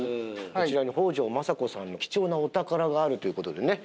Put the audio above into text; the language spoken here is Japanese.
こちらに北条政子さんの貴重なお宝があるという事でね